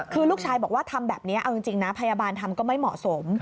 คือลูกชายบอกว่าทำแบบนี้เอาจริงนะพยาบาลทำก็ไม่เหมาะสม